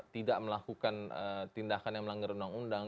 tidak melakukan tindakan yang melanggar undang undang